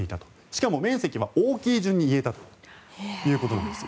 しかも面積は大きい順に言えたということです。